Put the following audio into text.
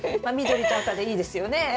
まあ緑と赤でいいですよね